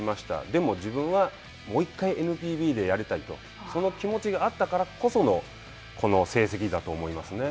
でも自分は、もう１回ＮＰＢでやりたいと、その気持ちがあったからこそのこの成績だと思いますね。